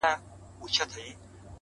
• زه چي الله څخه ښكلا په سجده كي غواړم؛